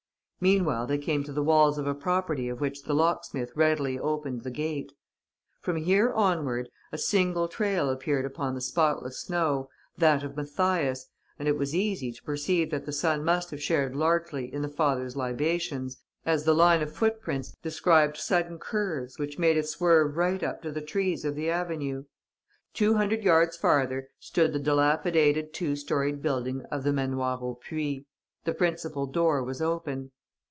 Meanwhile they came to the walls of a property of which the locksmith readily opened the gate. From here onward, a single trail appeared upon the spotless snow, that of Mathias; and it was easy to perceive that the son must have shared largely in the father's libations, as the line of footprints described sudden curves which made it swerve right up to the trees of the avenue. Two hundred yards farther stood the dilapidated two storeyed building of the Manoir au Puits. The principal door was open.